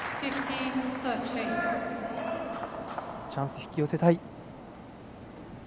チャンス、引き寄せたい。